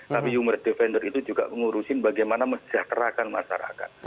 tapi human defender itu juga mengurusin bagaimana mesejahterakan masyarakat